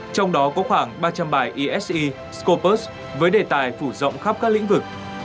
trong đó có khoảng ba trăm linh bài ese scopus với đề tài phủ rộng khắp các lĩnh vực